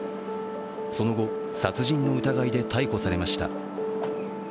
その後、殺人の疑いで逮捕されました。